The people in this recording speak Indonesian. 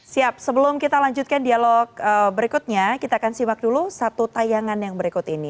siap sebelum kita lanjutkan dialog berikutnya kita akan simak dulu satu tayangan yang berikut ini